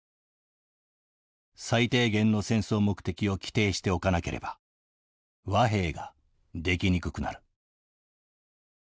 最低限の戦争目的を規定しておかなければ和平ができにくくなる」。